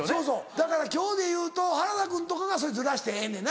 だから今日で言うと原田君とかがそれずらしてええねんな。